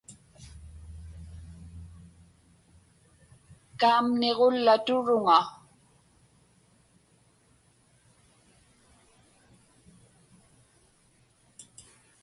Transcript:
Kaamniġullaturuŋa.